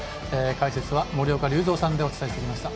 解説は森岡隆三さんでお伝えしてきました。